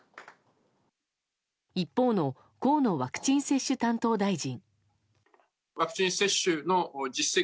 一方の、河野ワクチン担当大臣。